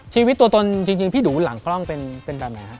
ชีวิตตัวตนจริงพี่ดูหลังกล้องเป็นแบบไหนครับ